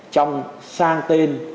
trong sang tên